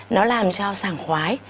nó làm cho sàng khoái